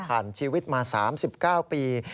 ผ่านชีวิตมา๓๙ปี